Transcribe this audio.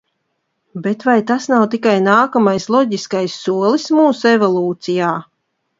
Bet vai tas nav tikai nākamais loģiskais solis mūsu evolūcijā?